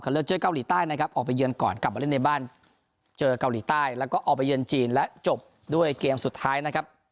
เลือกเจอเกาหลีใต้นะครับออกไปเยือนก่อนกลับมาเล่นในบ้านเจอเกาหลีใต้แล้วก็ออกไปเยือนจีนและจบด้วยเกมสุดท้ายนะครับ